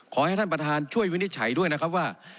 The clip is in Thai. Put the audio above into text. ขอให้ท่านประธานช่วยวินิจฉัยด้วยนะครับว่า